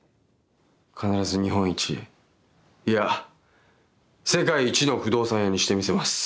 必ず日本一いや世界一の不動産屋にしてみせます！